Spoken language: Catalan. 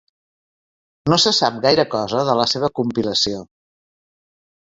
No se sap gaire cosa de la seva compilació.